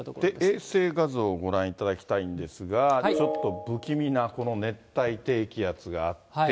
衛星画像ご覧いただきたいんですが、ちょっと不気味なこの熱帯低気圧があって。